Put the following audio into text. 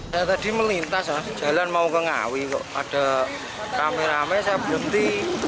saya tadi melintas jalan mau ke ngawi kok ada rame rame saya berhenti